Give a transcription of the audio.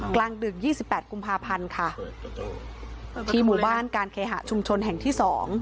กลางดึกยี่สิบแปดกุมภาพันธ์ค่ะที่หมู่บ้านการเคหะชุมชนแห่งที่๒